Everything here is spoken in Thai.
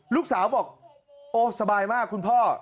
ลูกสาวบอกโอ้สบายมากคุณพ่อ